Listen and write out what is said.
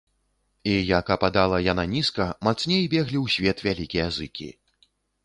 І як ападала яна нізка, мацней беглі ў свет вялікія зыкі.